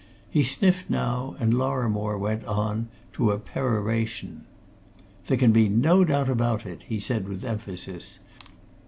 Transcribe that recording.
He sniffed now, and Lorrimore went on to a peroration. "There can be no doubt about it!" he said with emphasis.